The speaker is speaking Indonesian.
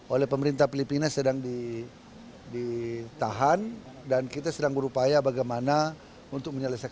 oleh pemerintah filipina sedang ditahan dan kita sedang berupaya bagaimana untuk menyelesaikan